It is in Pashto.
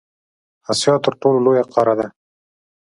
اسیا تر ټولو لویه قاره ده.